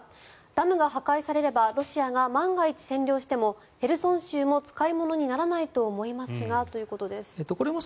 ダムが破壊されればロシアが万が一占領してもヘルソン州も使い物にならないと思いますがということです。